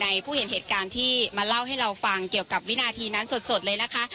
ผู้เห็นเหตุการณ์ที่มาเล่าให้เราฟังเกี่ยวกับวินาทีนั้นสดเลยนะคะ